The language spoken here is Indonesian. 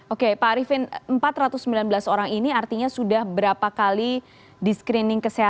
oke pak arifin empat ratus sembilan belas orang ini artinya sudah berapa kali di screening kesehatan